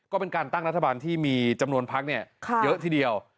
ก็เป็นการตั้งรัฐบาลที่มีจำนวนพักเยอะทีเดียว